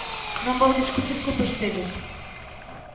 Non vou discutir con vostedes.